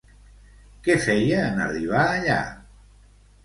Què feia en arribar allà?